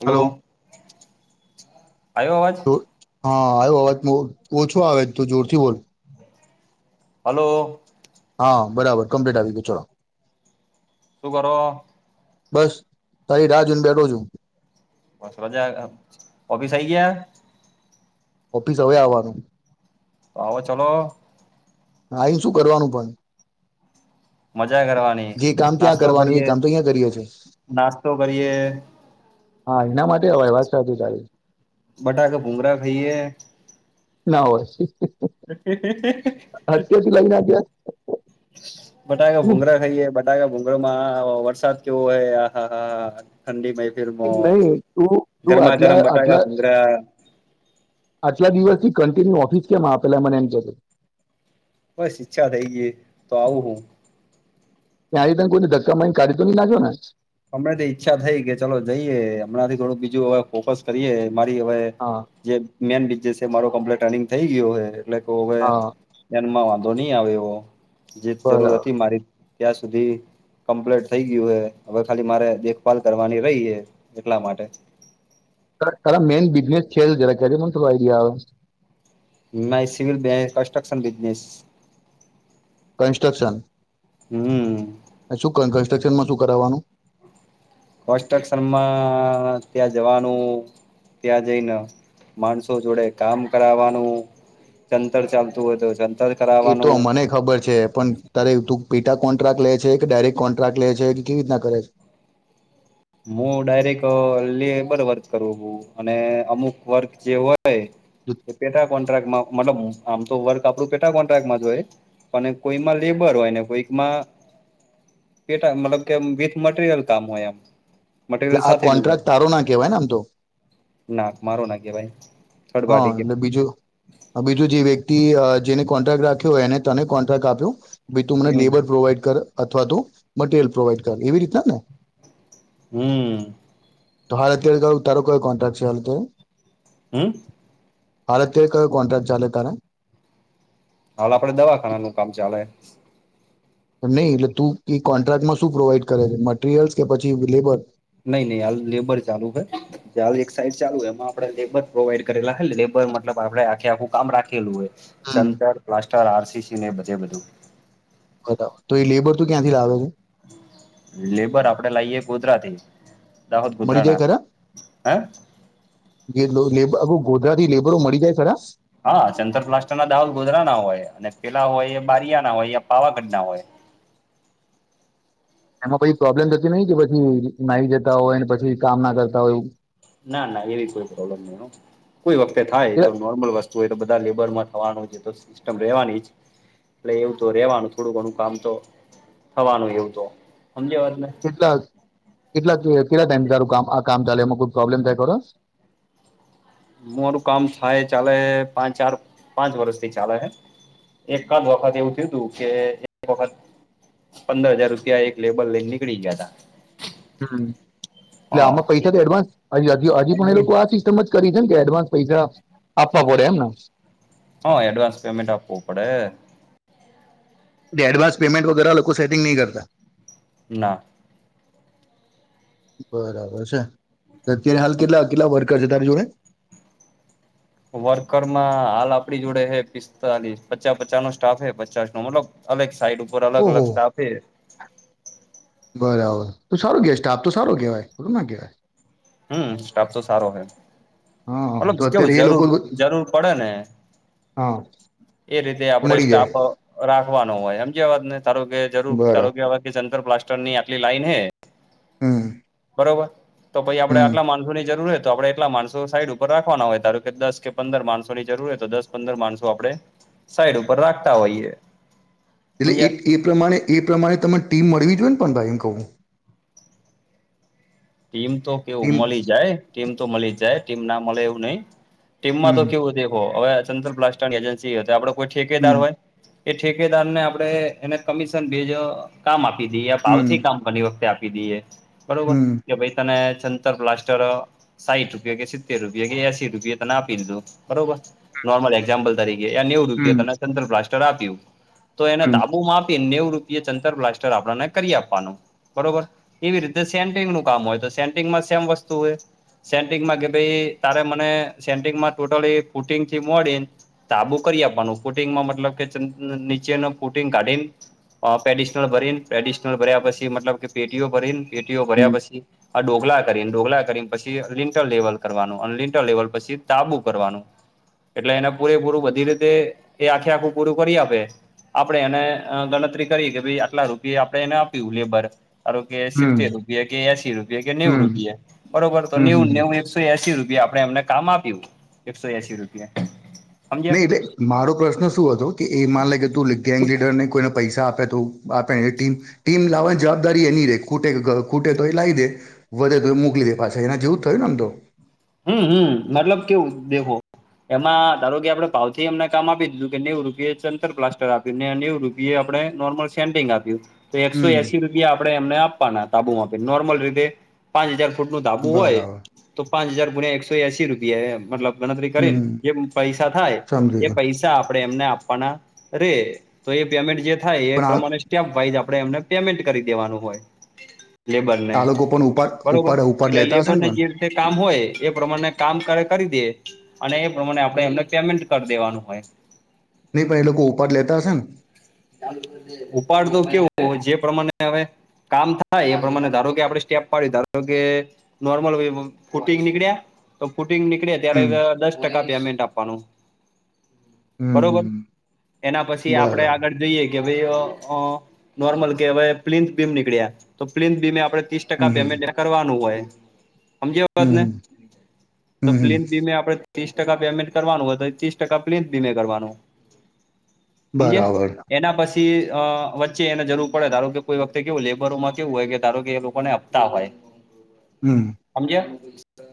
Hello આયો અવાજ તો હા આયો અવાજ ઓછો આવે તું જોરથી બોલ હલો હા બરાબર કમ્પ્લીટ આવી ગયુ ચલો શું કરો બસ તારી રાહ જોઈને બેઠો છું બસ મજા ઓફીસ આઈ ગયા ઓફિસ હવે આવાનું પાવા ચલો આઈ શું કરવાનું પણ મજા કરવાની જે કામ ત્યાં નાસ્તો કરવાનું એ કરીએ કામ તો અહીંયા કરીએ છીએ નાસ્તો કરીએ હા એના માટે [unintelligible] વાત સાચી તારી બટાકા ભુંગરા ખઈએ ના હોય. [inaudible] હત્યાથી લઈને આપ્યા? બટાકા ભુંઘરા ખઈએ ભુંગરા માં વરસાદ કેવો હોય આ હા હા હા ઠંડી માં નહી તું તું ગરમા આટલા ગરમ બટાકા ભૂઘરા. આજલા દિવસ થી કન્ટિન્યુ ઓફિસ કેમ આ પેલા મને એમ કેજે બસ ઈચ્છા થઈ ગઈ તો આવું હું. ત્યાંથી તને કોઈને ધક્કા મારીને કાઢી તો ની નાખ્યોને? અમને થી ઈચ્છા થઈ કે ચલો જઈએ હમણાંથી થોડું બીજું હવે ફોકસ કરીએ મારી હવે- હા - જે મેન બીજેસે મારો કમ્પલેટ રનિંગ થઈ ગયો એટલે હવે- હા - ધ્યાનમાં વાંધો ની આવે જે જરૂર બરાબર હતી મારી ત્યાં સુધી કમ્પ્લેટ થઈ ગયું હે. હવે ખાલી મારે દેખભાલ કરવાની રહી હે એટલા માટે તારા મેન બિઝનેસ છે જરાક કેજે મને આઈડિયા આવે. ના સિવિલ કન્સ્ટ્રક્શન બિઝનેસ. કન્સ્ટ્રક્શન? હમ. શું કન્સ્ટ્રક્શનમાં શું કરાવાનું. કોસ્ટશનમાં ત્યાં જવાનું ત્યાં જઈને માણસો જોડે કામ કરાવાનું અંતર ચાલતું હોય તો ચં એ તો મને ખબર છે પણ તારે તું પેટા કોન્ટ્રાક્ટ લેય છે કે ડાયરેક્ટ કોન્ટ્રાક લેય છે કેવી રીતના કરે છે. હું ડાયરેક્ટ લેબર વર્ક કરવું હું અને અમુક વર્ક જે હોય- - હોય તે પેટા કોન્ટ્રાક્ટ મા મતલબ આમ તો વર્ક આપડું પેટા કોન્ટ્રાક્ટમાં જ હોય પણ કોઈમાં લેબર હોય ને કોઈકમાં- - કેટા મતલબ કે વિથ મટીરિયલ કામ હોય એમ. એલે મટીરિયલ આ સાથે ન હોય કોન્ટ્રાક્ટ તારો ના કેવાયને આમ તો? ના મારો ના કેવાય થર્ડ હા પાર્ટી એટલે કેવાય બીજું? બીજું જે વ્યક્તિ જેને કોન્ટ્રાક્ટ રાખ્યો એને તને કોન્ટ્રાક્ટ આપ્યો? ભી તું મને હમ લેબર પ્રોવાઈડ કર અથવા તો મટીરિયલ પ્રોવાઈડ કરે એવી રીતના ને? હમ્મ તો હાલ અત્યારે તો કોઈ કોન્ટ્રાક્ટ છે હાલ તો હમ્મ અરે તે કયો કોન્ટ્રાક્ટ ચાલે તારા? હાલ આપડે દવાખાના નું કામ ચાલે. નહીં એટલે તું એ કોન્ટ્રાક્ટમાં શું પ્રોવાઈડ કરે છે મટરિયલ્સ કે પછી લેબર? નહી નહી હાલ લેબર ચાલુ છે. એક સાઈડ ચાલુ હોય એમાં આપડે લેબર પ્રોવાઈડ કરેલા હલે લેબર મતલબ આપડે આખે આખું કામ રાખેલું હોય હમ ર પ્લાસ્ટર આરસીસી ને બધે બધું. બરાબર તો એ લેબર તો ક્યાંથી લાવે તુ લેબર આપડે લાઈએ ગોધરાથી. દાહોદ મળી ગોધરાના જાય ખરા? હે ગોધરાથી લેબરો મળી જાય ખરા? હા ચંતર પ્લાસ્ટર ના દઉલ ગોધરા ના હોય અને પેલા હોય એ બારીયા ના હોય પાવાગઢ ના હોય. એમાં કોઈ પ્રોબ્લેમ થતી નહિ કે પછી નાહી જતા હોય પછી કામ ના કરતા હોય? ના ના એવી કોઈ પ્રોબ્લેમ નઈ કોઈ વખતે થાય એ તો નોરર્મલ વસ્તુ. હોય તો બધા લેબર માં થવાનું છે તો સિસ્ટમ રહેવાની જ એટલે એવું તો રેવાનું થોડું ઘણું કામ તો થવાનું એવું તો સમજ્યા વાત ને કેટલા કેટલા કેટલા ટાઈમ તારું કામ આ કામ ચાલે એમાં કોઈ પ્રોબ્લેમ થાય ખરોશ મારું કામ થાય ચાલે પાંચ ચાર પાંચ વર્ષથી ચાલે એકાદ વખત એવું થયું તું કે એક વખત પંદર હજાર રૂપિયા એક લેબલ લઈ નીકળી ગયા હતા હમ્મ એટલે આમાં પૈસા તો એડવાન્સ હ હ હજી પણ એ લોકો આ સિસ્ટમ જ કરી છેમ કે એડવાન્સ પૈસા આપવા પડે એમને હા એડવાન્સ પેમેન્ટ આપવું પડે એડવાન્સ પેમેન્ટ વગેરે લોકો સેટિંગ ન કરતા ના બરાબર છે તે હાલ કેટલા કેટલા વર્ [unintelligible] તારી જોડે વર્કર માં હાલ આપણી જોડે હ પિસ્તાલીસ પચાસ પચાસ નો સ્ટાફ હે પચાસ નો મતલબ અલગ સાઈડ ઉપર અલગ ઓહો અલગ સ્ટાફે બરાબર તો સારું [unintelligible] સારો કેવાય ના કેવાય હમ્મ સ્ટાફ તો સારો હ હા મતલબ તો અત્યારે કેવું એ જરૂર લોકો જરૂર પડે ને હા એ રીતે આપડે મળી જાય સ્ટાફ રાખવાનો હોય એમજ અવાત ને ધારો કે જરૂર બરાબર તારો કેવાત કે જંતર પ્લાસ્ટર ની આટલી લાઈન હે હમ્મ બરોબર તો પી આપે આટલા માણસોની જરૂર હોય તો આપડે એટલા માણસો સાઈડ ઉપર રાખવાના હોય ધારો કે દસ કે પંદર માણસો ની જરૂર હોય તો દસ પંદર માણસો આપડે સાઈડ ઉપર રાખતા હોઈએ એટલે એ સમજ્યા એ પ્રમાણે એ પ્રમાણે તને ટીમ મળવી જોઈએ ને પણ ભાઈ એમ કહું ટીમ તો કેવું ટીમ મળી જાય ટીમ તો મળી જ જાય ટીમ ના મળે એવું નહી ટીમમાં હમ તો કેવું દેખો [unintelligible] આપડ કોઈ ઠકેદાર હમ હોય એ ઠેકેદાર ને આપડે એને કમિશન ભજ કામ આપી દઈ ભાવ હમ થી કામ ઘણી વખતે આપી દઈએ બરોબર હમ કે ભાઈ તને છંતર બ્લાસ્ટર સાહીઠ રૂપિયા કે સિત્તેર રૂપિયા કે એસી રૂપિયા તને આપી લીધું બરોબર નોર્મલ એઝામ્પલ નેઉ રૂપ હમ સર પ્લાસ્ટર આપ્યું તો એને હમ તાબુમાં આપીને નેઉ રૂપ જંતર પ્લાસ્ટ આપને કરી આપવાનું બરોબર એવી રીતે સે કામ હોય તો [unintelligible] માં સેમ વસ્તુ હે. સેન્ટિંગ માં કે ભઈ તારે મને સેન્ટિંગમાં ટોટલી ફૂટિંગથી મોડીન તાબુ કરી આપવાનું, કુટિંગમાં મતલબ કે નીચે નું ફુટિંગ કાઢીન અહ પેડિશનલ ભરીન, પ્રેડિશનલ ભર્યા પછી મતલબ કે પેટીઓ ભરીન, પેટીઓ ભર્યા હમ પછી આ ડોગલા કરીન, ડોગલા કરીને પછી લિંટર લેવલ કરવાનું અન લિંટર લેવલ પછી તાબુ કરવાનું. એટલે એને પૂરેપૂરું બધી રીતે એ આખે આખું પૂરું કરી આપે આપણે એને અહ ગણતરી કરી કે ભઈ આટલા રૂપિયા આપણે એને આપ્યું લેબર. ધારો કે હમ સિત્તેર રૂપીયા, કે એસી રૂપીયા, કે નેવું હમ રૂપીયા, બરોબર? તો હમ નેવું, હમ નેવુંન એક સો એસી રૂપિયા આપડે એમને કામ આપ્યું. એકસો એસી રૂપિયા. સમજ્યા નહીં. મારો પ્રશ્ન શું હતો કે એ માન લાગે તું ગેંગ લીડરને કોઈને પૈસા આપે તો આપે એને ટીમ, ટીમ લાવવાની જવાબદારી એની રે, ખૂટે અહ ખૂટે તો એ લાઈ દે. વધે તો મોકલી દે પાછા, એના જેવું થયુંને આમ તો. હમ્મ-હમ્મ. મતલબ કેવું દેખો એમાં ધારો કે આપડે ભાવથી એમને કામ આપી દીધું કે નેવું રૂપિયા ચ અંતર પ્લાસ્ટર આપે ને નેવું રૂપ એ આપણે નોર્મલ સેન્ટિંગ આપ્યું તો એકસો હમ એસી રૂપિયા આપણે એમને આપવાના તાબુ માટે, નોર્મલ રીતે પાંચ હજાર ફૂટ નું ધાબું હોય, બરાબર તો પાંચ હજાર ગુણ્યા એકસો એસી રૂપિયા એમ. મતલબ ગણતરી કરીને હમ જે પૈસા થાય સમજી એ ગયો પૈસા આપણે એમને આપવાના રહે. તો એ પેમેન્ટ જે થાય એ પણ આ પ્રમાણે જ [unintelligible] વાઈઝ આપડે એમને પેમેન્ટ કરી દેવાનું હોય. લેબર ને. આ લોકો પણ ઉપાડ બરોબર? ઉપાડ ઉપાડ એટલે લેતા હશે ને લેબરને પણ જે રીતે કામ હોય એ પ્રમાણે કામ કરે કરી દીએ, અને એ પ્રમાણે આપણે એમને પેમેન્ટ કરી દેવાનું હોય. નહીં, પહી એ લોકો ઉપાડ લેતા હશે ને? ઉપાડ તો કેવું જે પ્રમાણે હવે કામ થાય એ પ્રમાણે ધારો કે આપણે સ્ટેપ પાડી, ધારો કે નોર્મલ કૂટીંગ નીકળા તો કૂટિંગ નીકળ્યા હમ ત્યારે દસ ટકા પેમેન્ટ આપવાનું. બરોબર. હમ એના પછી આપડે બરાબર આગળ જઈએ કે ભાઈ અહ અહ નોર્મલ કે હવે પ્લિથ બીમ નીકળ્યા, તો પ્લિથ બીમે આપણે તીસ ટકા હમ પેમેન્ટ કરવાનું હોય, હમજ્યો હમ [unintelligible] હમ તો હમ પ્લીમ બીમે આપણે તીસ ટકા પેમેન્ટ કરવાનું, વધે ઈ તીસ ટકા પ્લીમ બીમે કરવાનું. હમજ્યાં? બરાબર એના પછ થી અહ વચ્ચે એને જરૂર પડે, ધારો કે કોઈ વખતે કેવું લેબરોમાં કેવું હોય કે ધારો કે એ લોકોને હપતા હોય. હમ્મ. હમજ્યા?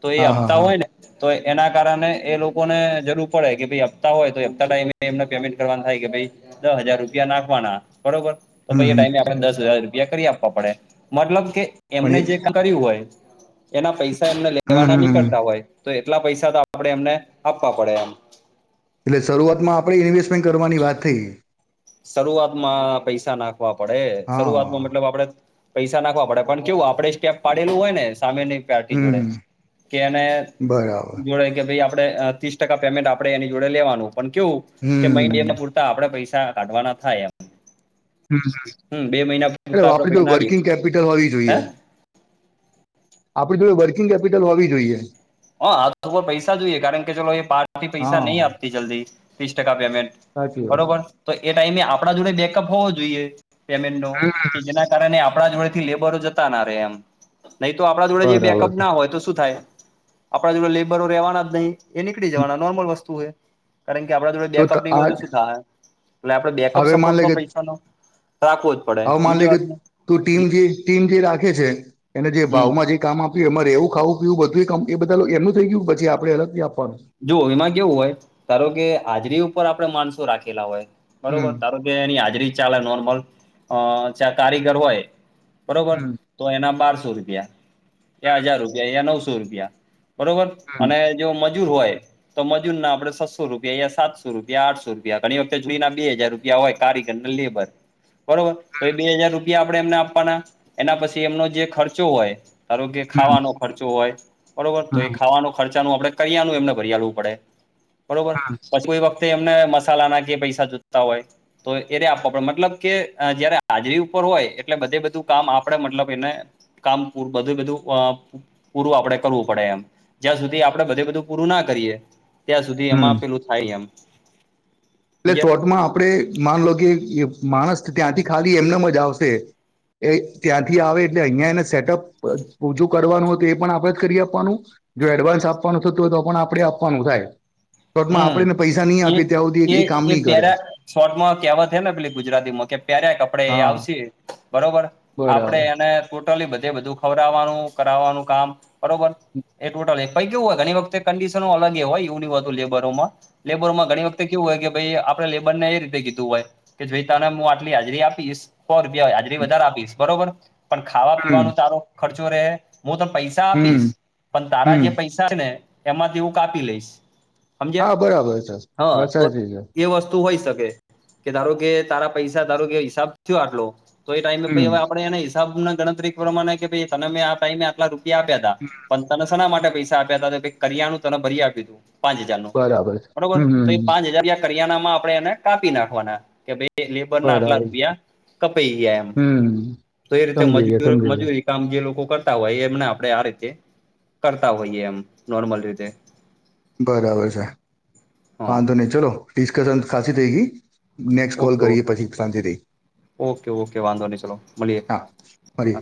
તો એ હપતા હોય ને તો એના કારણે એ લોકોને જરૂર પડે કે ભઈ હપ્તા હોય તો એ હપ્તા ટાઈમે એમને પેમેન્ટ કરવાનું થાય કે ભઈ દહ હજાર રૂપિયા નાખવાના. બરોબર! તો હમ પહી એ હમ ટાઈમે આપણેને દસ હજાર રૂપિયા કરી આપવા પડે. મતલબ કે પણ એમને એ જે કામ કર્યું હોય, એના પૈસા એમને હમ લેવાના હમ હમ નીકળતા હોય તો એ એટલા પૈસા તો આપણેે એમને આપવા પડે એમ. એટલે શરૂઆતમાં આપણે ઇન્વેસ્ટમેન્ટ કરવાની વાત થઈ. શરૂઆત માં પૈસા નાખવા પડે, હા શરૂઆતમાં મતલબ આપડે પૈસા નાખવા પડે, પણ કેવું આપડે સ્ટેપ પાડેલું હોય ને સામેને પાર્ટી જોડે, હમ કે એને બરાબર જોડે કે ભઈ આપ પડે તીસ ટકા પેમેન્ટ આપણે એની જોડે લેવાનું, પણ કેવું કે મહિને એમને હમ પૂરતા આપણે પૈસ સા કાઢવાના થાય એમ. હમ્મ-હમ્મ. હમ બે મહિના પૂરતા એટલે આપડે આપણી જો પૈસા નાખીએ વર્કિંગ કેપિટલ હોવી હે જોઈએ. આપણે જોડે વર્કિંગ કેપિટલ હોવી જોઈએ. હા. હાથમાં પૈસા જોઈએ કારણ કે ચલો એ પાર્ટી પૈસા હા નહીં આપતી જલ્દી, ત્રીસ ટકા પેમેન્ટ સાચી વાત બરોબર? તો એ ટાઈમે આપણા જોડે બેકઅપ હોવો જોઈએ પેમેન્ટ નો, હમ કે જેના કારણે આપણા જોડે થી લેબરો જતા ના રહે એમ. નહીં તો આપણા જોડે જે બરાબર બેકઅપ ના હોય તો શું થાય આપડા જોડ લેબરો રેવાના જ નહી એ નીકળી જવાના નોર્મલ વસ્તુ હે. કારણ કે આપણા જોડે તો બેકઅપ ત નહી આ હો તો શું થાય એટલે આપણે બેકઅપ હવે સપોર્ટ તો પૈસાનો રાખો આવવ માલિક તું ટીમ જે ટીમ જે રાખે છે એને જે હમ ભાવમાં જે કામ આપ તે એમાંરે એવું ખાવું પીવું બધું કામ એ બધા એમનું થઈ ગયું પછી આપડે અલગથી આપવાનું? જો એમાં કેવું હોય તારો કે હાજરી ઉપર આપડણે માણસો રાખેલા હોય હમ બરોબર તારો એની હાજરી ચાલે નોર્મલ અ જયા કારીગર હોય. બરોબર હમ તો એના બારસો રૂપિયા એ હજાર રૂપિયા એ નવસો રૂપિયા. બરોબર હમ અને જો મજૂર હોય. તો મજૂન ના આપણે છ સસો રૂપિયા યા સાતસો રૂપિયા આઠસો રૂપિયા ઘણી વખતે જોડીના બે હજાર રૂપિયા હોય કારીગર ને લેબર બરોબર તો એ બે હાજાર રૂપિયા આપણેે એમને આપવાના એના પછી એમનો જે ખર્ચો હોય. આરોગ્ય હમ ખાવાનો ખર્ચો હોય બરોબર તો એ હમ ખાવાનો ખર્ચા ન આપડે કરિયા નું એમને ભર લેવું પડે બરોબર હમ પછી કોઈ વખતે એમને મસાલા ના કે પૈસા જૂતતા હોય. તો એને આપવા પડે મતલબ કે જયારે હાજરી ઉપર હોય એટલે બધે બધું કામ આપડે મતલબ એને કામ બધું-બધું પૂરું આપડે કરવું પડે એમ જ્યાં સુધી આપડે બધું. તો પૂરું ના કરીએ ત્યાં સુધી એમાં હમ આપેલું થાય એમ એટલે સમજ્યા શોર્ટમાં આપણે માનલો કે માણસ ત્યાંથી ખાલી એમને મ જ આવશે એ ત્યાંથી આવે એટલે અહિયા એને સેટઅપ અ ઓછું કરવાનું હોય તો એ પણ આપણેે જ કરી આપવાનું જો એડવાન્સ આપવાનું થતું હોય તો પણ આપડે આપવાનું થાય. શોટમાં આપડેને હમ પૈસા નહીં એ આપીએ ત્યાં સુધી એ કામ એ નહીં કરે પેરા શોર્ટમાં કહેવત હે ને પેલી ગુજરાતીમાં કે પ્યારે કપડે એ હા આવશે. બરોબર આપડે બરાબર એને ટોટલી બધે બધું ખવડવાનું કરાવવાનું કામ બરોબર એ ટોટલ પઈ કેવું હોય ઘણી વખતે કન્ડીશનનો અલગ હોય એવું લેવુ લેબરમાં લેબરોમાં ઘણી વખતે કેવું હોય કે ભાઈ આપણે લેબર ને એ રીતે કીધું હોય. કે જોઈ તને હું આટલી હાજરી આપીશ સો રૂપિયા હાજરી વધારે આપીશ બરોબર પણ ખાવા હમ પીવાનો તારો ખર્ચો રે હું તન પૈસા હમ આપીશ પણ તારા હમ જે પૈસા થાયને એમાંથી હું કાપી લઈશ હા સમજયા બરાબર છે હા વાત તો સાચી છે એ વસ્તુ તો હોઈ શકે કે ધારો કે તારા પૈસા ધારો કે હિસાબ થયો આટલો તો એ ટાઈમે હમ પહિ આપણે એના હિસાબને ગણતરી પ્રમાણે કે પહિ તને મેં આ ટાઈમે આટલા રૂપિયા આપ્યા તા પણ તને સેના માટે પૈસા આપ્યા હતા કરીયાનું તને ભરી આપ્યું તું પાચ બીજાનું બરાબર છે બરોબર હમ એ પાંચ હજારિયા કરિયાનામાં આપણેે એને કાપી નાખવાના કે ભાઈ તે લેબર ના આટલા બરાબર રૂપિયા કપાઈ ગયા એમ હમ તો એ રીતે સમજી ગયા મજૂર સમજી મજૂરી કામ જે લોકો કરતા હોય એમને આપણે આ રીતે કરતા હોઈએ એમ નોર્મલ રીતે બરાબર છે હા વાંધો નહી ચલો ડિસ્કસન ખાસી થઈ ગઈ. નેક્સ્ટ કોલ ઓકે કરીએ ઓકે પછી શાંતિ થી ઓકે ઓકે વાંધો નહી ચલો મળીએ હા. ફરિ.